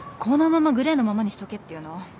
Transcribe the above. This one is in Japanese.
このままグレーのままにしとけっていうの？